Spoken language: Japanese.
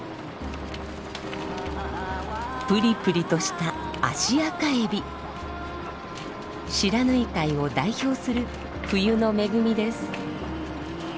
プリプリとした不知火海を代表する冬の恵みです。